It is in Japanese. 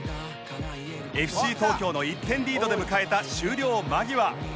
ＦＣ 東京の１点リードで迎えた終了間際